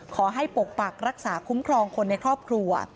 ปกปักรักษาคุ้มครองคนในครอบครัว